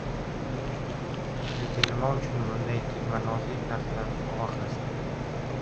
Lekin nima uchun bunday tegmanozik narsalarni sovgʻa qilasan?